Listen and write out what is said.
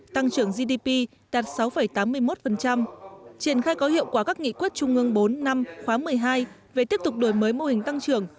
tăng trưởng gdp đạt sáu tám mươi một triển khai có hiệu quả các nghị quyết trung ương bốn năm khóa một mươi hai về tiếp tục đổi mới mô hình tăng trưởng